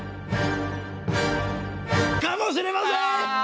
かもしれません！